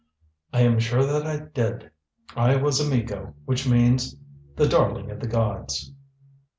"I am sure that I did. I was a Miko, which means The Darling of the Gods."